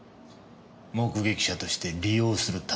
目撃者として利用するために。